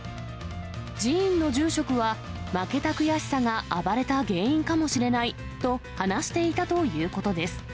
寺院の住職は、負けた悔しさが暴れた原因かもしれないと話していたということです。